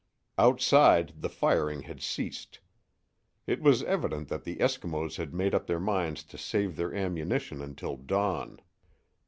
Outside the firing had ceased. It was evident that the Eskimos had made up their minds to save their ammunition until dawn.